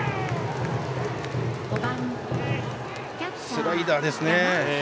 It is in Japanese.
スライダーですね。